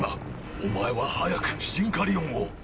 お前は早くシンカリオンを！